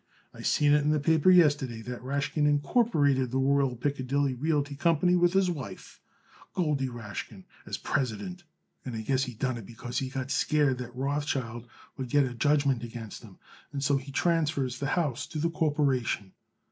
"I seen in the paper yesterday that Rashkin incorporated the Royal Piccadilly Realty Company with his wife, Goldie Rashkin, as president; and I guess he done it because he got scared that Rothschild would get a judgment against him. And so he transfers the house to the corporation."